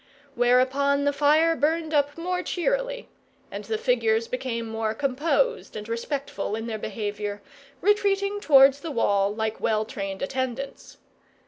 Whereupon the fire burned up more cheerily; and the figures became more composed and respectful in their behaviour, retreating towards the wall like well trained attendants.